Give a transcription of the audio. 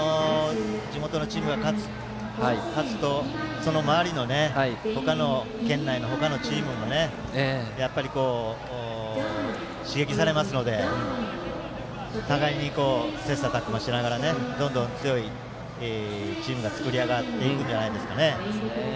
地元のチームが勝つとその周りの県内の他のチームもやはり刺激を受けますので互いに切さたく磨しながらどんどん強いチームが作り上げられていくんじゃないんでしょうか。